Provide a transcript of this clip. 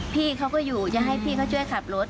พี่เขาก็อยู่จะให้พี่เขาช่วยขับรถ